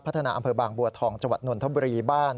อำเภอบางบัวทองจังหวัดนนทบุรีบ้าน